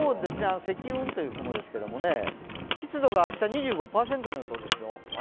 積雲という雲ですけれども、湿度が明日２５％の予想ですよ。